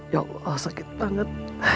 ya allah sakit banget